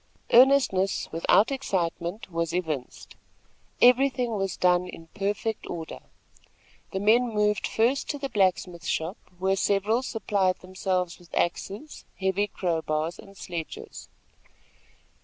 Earnestness without excitement was evinced. Everything was done in perfect order. The men moved first to the blacksmith shop, where several supplied themselves with axes, heavy crow bars and sledges.